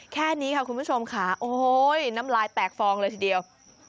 แค่นี้ค่ะคุณผู้ชมค่ะโอ้ยน้ำลายแตกฟองเลยทีเดียว